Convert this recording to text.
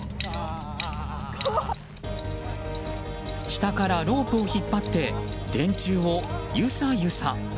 下からロープを引っ張って電柱をゆさゆさ。